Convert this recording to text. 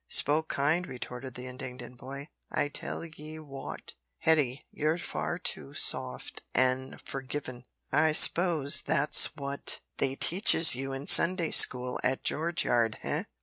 "Spoke kind," retorted the indignant boy; "I tell 'ee wot, Hetty, you're far too soft an' forgivin'. I s'pose that's wot they teaches you in Sunday school at George Yard eh?